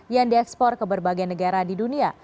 yang diekspor ke berbagai negara di dunia